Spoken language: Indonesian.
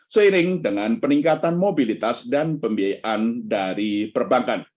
seiring dengan peningkatan mobilitas dan pembiayaan dari perbankan